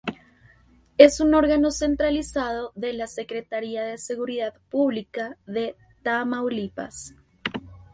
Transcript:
Es un órgano centralizado de la "Secretaría de Seguridad Pública de Tamaulipas".